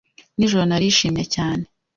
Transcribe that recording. Nijoro narishimye cyane.